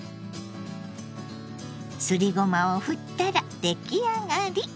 すりごまをふったらできあがり！